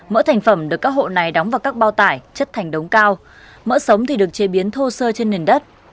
mỡ thành phẩm được các hộ này đóng vào các bao tải chất thành đống cao mỡ sống thì được chế biến thô sơ trên nền đất